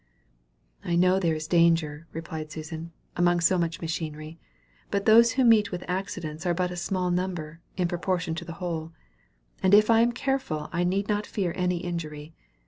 "I know there is danger," replied Susan, "among so much machinery, but those who meet with accidents are but a small number, in proportion to the whole, and if I am careful I need not fear any injury.